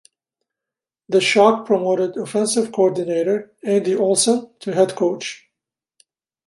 The Shock promoted offensive coordinator, Andy Olson to head coach.